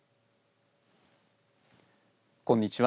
こんにちは。